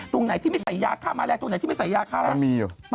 ตรงไหนที่ไม่ใส่ยาค่ามาแล้วตรงไหนที่ไม่ใส่ยาค่าแล้ว